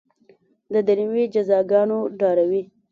د دنیوي جزاګانو ډاروي.